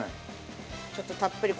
ちょっとたっぷり。